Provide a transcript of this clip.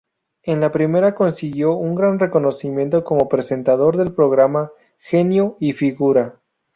En la primera consiguió un gran reconocimiento como presentador del programa "Genio y figura".